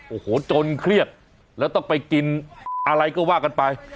โอ้โหจนเครียดแล้วต้องไปกินอะไรก็ว่ากันไป